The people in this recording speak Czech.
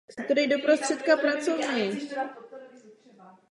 Po maturitě vstoupil do české provincie Tovaryšstva Ježíšova.